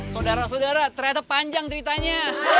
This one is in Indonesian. saudara saudara ternyata panjang ceritanya